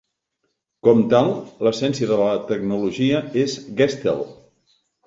Com tal, l'essència de la tecnologia és "Gestell".